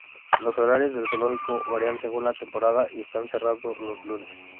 Los horarios del Zoológico varían según la temporada y está cerrado los lunes.